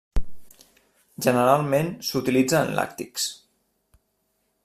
Generalment s'utilitza en làctics.